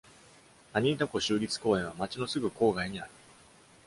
アニータ湖州立公園は街のすぐ校外にある。